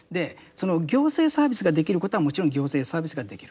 行政サービスができることはもちろん行政サービスができる。